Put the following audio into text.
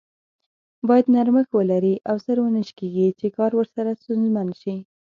بايد نرمښت ولري او زر و نه شکیږي چې کار ورسره ستونزمن شي.